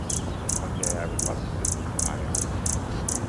One day, I would love to visit the high Arctic.